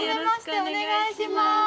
お願いします。